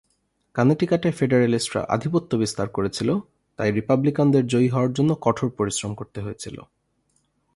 কানেটিকাটে ফেডারেলিস্টরা আধিপত্য বিস্তার করেছিল, তাই রিপাবলিকানদের জয়ী হওয়ার জন্য কঠোর পরিশ্রম করতে হয়েছিল।